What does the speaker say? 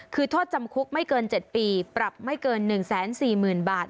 คือโทษจำคุกไม่เกิน๗ปีปรับไม่เกิน๑๔๐๐๐บาท